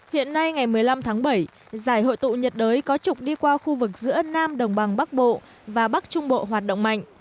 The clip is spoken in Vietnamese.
hiện nay ngày một mươi năm tháng bảy giải hội tụ nhiệt đới có trục đi qua khu vực giữa nam đồng bằng bắc bộ và bắc trung bộ hoạt động mạnh